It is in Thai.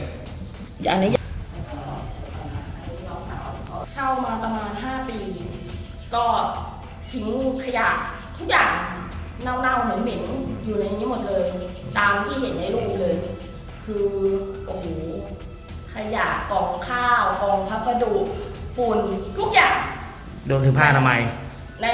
เจ้ามาอัน๕ปีก็น่าวเหม็นเหมือนหมดเลย